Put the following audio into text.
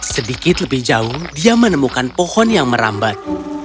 sedikit lebih jauh dia menemukan pohon yang merambat